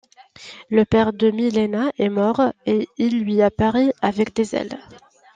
Le père de Milena est mort et il lui apparaît avec des ailes.